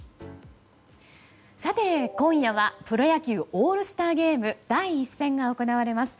今夜は、プロ野球オールスターゲーム第１戦が行われます。